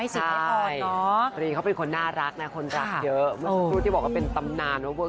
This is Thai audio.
๑๘ชั้นดิน